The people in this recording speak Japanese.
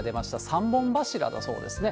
３本柱だそうですね。